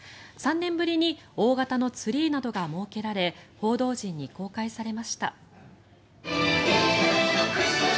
３年ぶりに大型のツリーなどが設けられ報道陣に公開されました。